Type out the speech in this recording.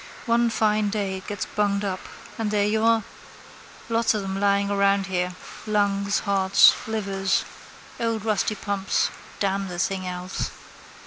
One fine day it gets bunged up: and there you are. Lots of them lying around here: lungs, hearts, livers. Old rusty pumps: damn the thing else.